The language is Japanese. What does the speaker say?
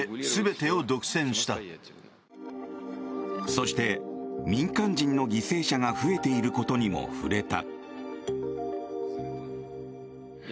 そして、民間人の犠牲者が増えていることにも触れた。